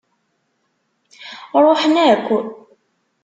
Ṛuḥen akk.